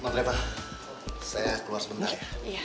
maaf ya pak saya keluar sebentar ya